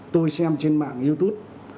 tôi xem trên mạng youtube